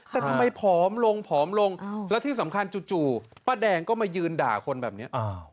แต่ทำไมผอมลงผอมลงแล้วที่สำคัญจู่ป้าแดงก็มายืนด่าคนแบบนี้